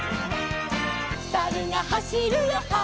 「さるがはしるよはしる」